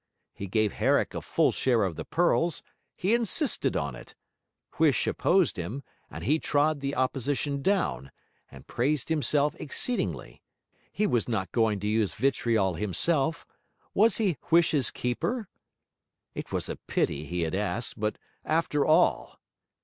He gave Herrick a full share of the pearls, he insisted on it; Huish opposed him, and he trod the opposition down; and praised himself exceedingly. He was not going to use vitriol himself; was he Huish's keeper? It was a pity he had asked, but after all!...